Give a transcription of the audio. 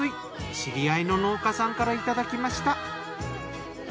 知り合いの農家さんからいただきました。